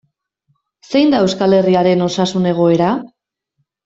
Zein da Euskal Herriaren osasun egoera?